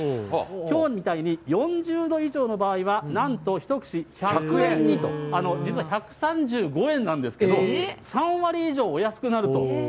きょうみたいに４０度以上の場合はなんと、１串１００円にと。実は１３５円なんですけれども、３割以上お安くなると。